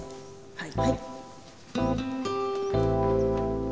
はい。